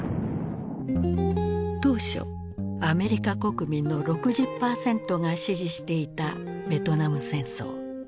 当初アメリカ国民の６０％が支持していたベトナム戦争。